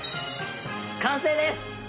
完成です！